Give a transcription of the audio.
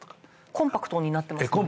コンパクトになってますもんね。